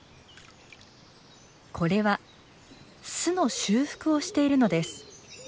これは巣の修復をしているのです。